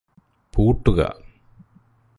പൂട്ടുക